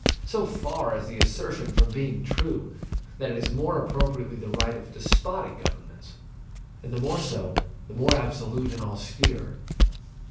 So far is the assertion from being true, that it is more appropriately the right of despotic governments; and the more so, the more absolute and austere.